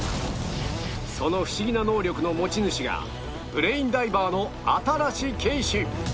そのフシギな能力の持ち主がブレインダイバーの新子景視